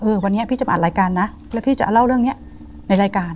วันนี้พี่จะมาอ่านรายการนะแล้วพี่จะเล่าเรื่องนี้ในรายการ